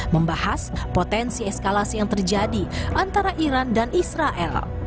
membahas potensi eskalasi yang terjadi antara iran dan israel